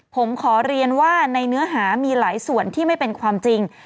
ผมขอเรียนว่าในเนื้อหามีหลายส่วนที่ไม่เป็นความจริง